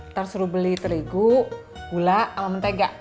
ntar suruh beli terigu gula sama mentega